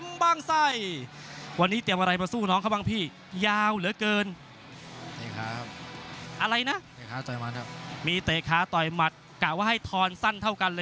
มันสั้นเท่ากันเลยใช่มั้ย